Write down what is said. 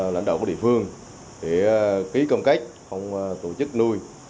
lãnh đạo của địa phương thì ký công kết không tổ chức nuôi